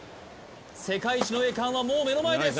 世界一の栄冠はもう目の前です